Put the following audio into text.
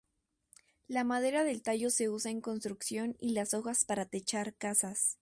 La madera del tallo se usa en construcción y las hojas para techar casas.